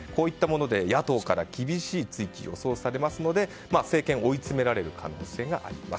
野党から厳しい追及が予想されますので政権は追いつめられる可能性があります。